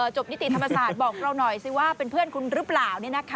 นิติธรรมศาสตร์บอกเราหน่อยสิว่าเป็นเพื่อนคุณหรือเปล่า